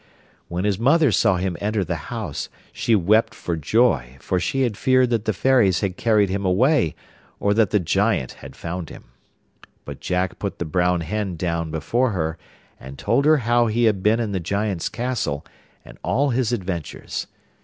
When his mother saw him enter the house she wept for joy, for she had feared that the fairies had carried him away, or that the Giant had found him. But Jack put the brown hen down before her, and told her how he had been in the Giant's castle, and all his adventures.